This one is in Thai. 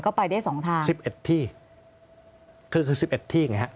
ก็ไปได้สองทางสิบเอ็ดที่คือคือสิบเอ็ดที่ไงฮะ